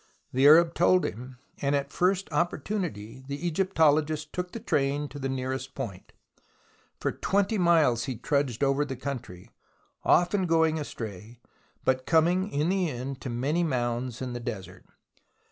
The Arab told him, and at the first opportunity the Egyptologist took the train to the nearest point. For 20 miles he trudged over the country, often going astray, but coming in the end to many mounds in the desert.